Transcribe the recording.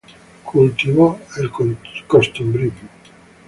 Cultivó el costumbrismo.